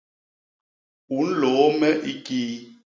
U nlôô me i kii?